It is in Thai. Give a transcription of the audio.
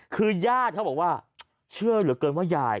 คือญาติเขาบอกว่าเชื่อเหลือเกินว่ายาย